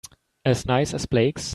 As nice as Blake's?